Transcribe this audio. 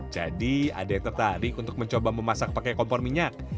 jadi ada yang tertarik untuk mencoba memasak pakai kompor minyak